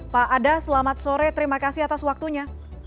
pak ada selamat sore terima kasih atas waktunya